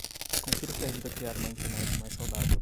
Confira o que ajuda a criar uma Internet mais saudável.